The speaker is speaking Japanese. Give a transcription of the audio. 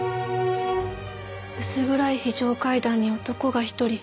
薄暗い非常階段に男が１人。